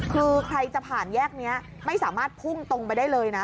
คือใครจะผ่านแยกนี้ไม่สามารถพุ่งตรงไปได้เลยนะ